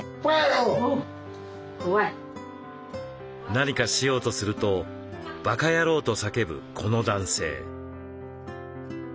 何かしようとすると「ばか野郎」と叫ぶこの男性。